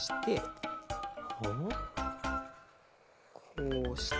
こうして。